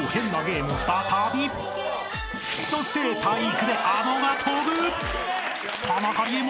［そして体育であのが跳ぶ］